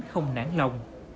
không nản lòng